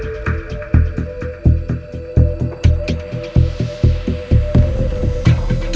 ผมไม่ได้มีเจตนาที่จะให้เค้าถึงแก่ของตาย